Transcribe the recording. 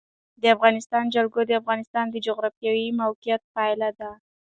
د افغانستان جلکو د افغانستان د جغرافیایي موقیعت پایله ده.